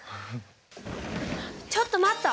ちょっと待った！